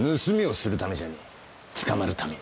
捕まるためにだ。